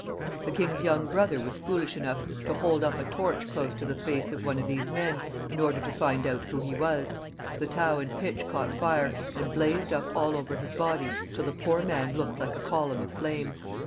The king^s young brother was foolish enough to hold up a torch close to the face of one of these men, in order to find out who he was ; the tow and pitch caught fire, and blazed up all over his body, till the poor man looked like a column of flame.